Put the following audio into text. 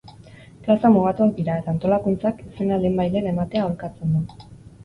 Plazak mugatuak dira eta antolakuntzak izena lehenbailehen ematea aholkatzen du.